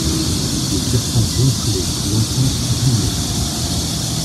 Le serpent ronflait, l'encens fumait.